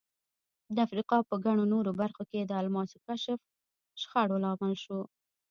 د افریقا په ګڼو نورو برخو کې د الماسو کشف شخړو لامل شو.